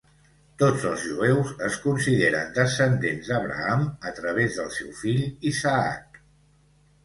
Tots els jueus es consideren descendents d'Abraham a través del seu fill Isaac.